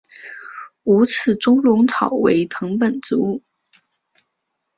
无刺猪笼草为藤本植物。